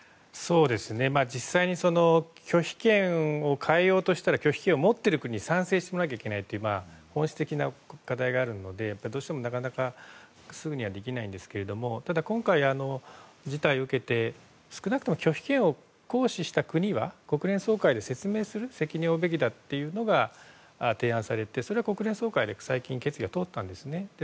実際に拒否権を変えようとしたら拒否権を持っている国も賛成しなきゃいけないという本質的な問題もあるのでどうしてもなかなかすぐにはできないんですけれどもただ今回、事態を受けて少なくとも拒否権を行使した国は国連総会で説明する責任を負うべきだと提案されてそれは国連総会で最近、決議が通ったんですね。